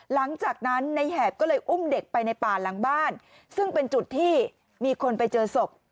หลังจากนั้นในแหบก็เลยอุ้มเด็กไปในป่าหลังบ้านซึ่งเป็นจุดที่มีคนไปเจอศพ